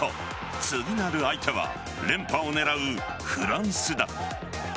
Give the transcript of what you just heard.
次なる相手は連覇を狙うフランスだ。